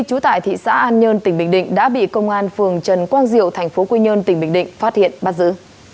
chú tại thị xã an nhơn tỉnh bình định đã bị công an phường trần quang diệu tp hcm phát hiện bắt giữ